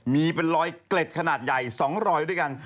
มีเป็นรอยเกล็ดขนาดใหญ่๒รอยด้วยกัน